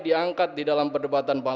ke atas nomor pejabat perutuhan terbesar